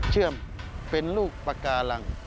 เชื่อมเป็นลูกปากการัง